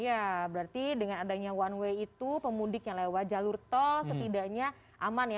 ya berarti dengan adanya one way itu pemudik yang lewat jalur tol setidaknya aman ya